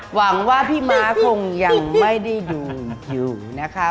หวังว่าพี่ม้าคงยังไม่ได้ดูอยู่นะคะ